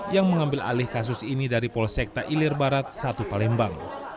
yang mengambil alih kasus ini dari polsekta ilir barat satu palembang